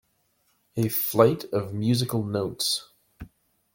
A flight of musical notes.